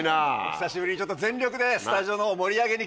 久しぶりに全力でスタジオの方を盛り上げに来ました！